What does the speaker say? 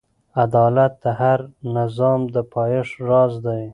عدالت د هر نظام د پایښت راز دی.